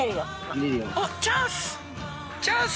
チャンス！